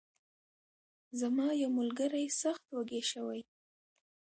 زما یو ملګری سخت وږی شوی.